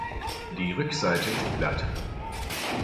Die Rückseite ist glatt.